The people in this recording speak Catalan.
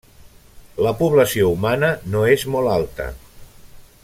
La població humana no és molt alta.